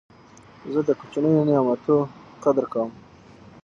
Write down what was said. زه د کوچنیو نعمتو قدر کوم.